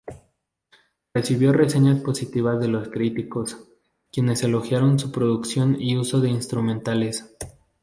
Recibió reseñas positivas de los críticos, quienes elogiaron su producción y uso de instrumentales.